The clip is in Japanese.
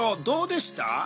どうでした？